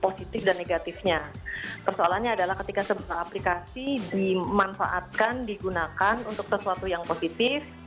positif dan negatifnya persoalannya adalah ketika sebuah aplikasi dimanfaatkan digunakan untuk sesuatu yang positif